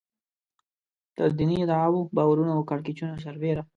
تر دیني ادعاوو، باورونو او کړکېچونو سربېره.